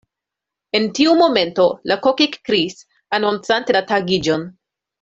En tiu momento la kok ekkriis, anoncante la tagiĝon.